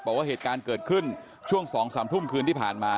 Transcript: บอกว่าเหตุการณ์เกิดขึ้นช่วง๒๓ทุ่มคืนที่ผ่านมา